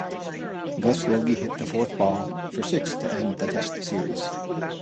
Gus Logie hit the fourth ball for six to end the Test series.